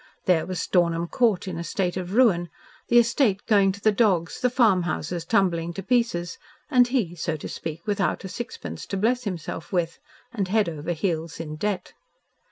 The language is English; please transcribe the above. There was Stornham Court in a state of ruin the estate going to the dogs, the farmhouses tumbling to pieces and he, so to speak, without a sixpence to bless himself with, and head over heels in debt.